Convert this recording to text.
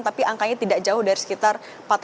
tapi angkanya tidak jauh dari sekitar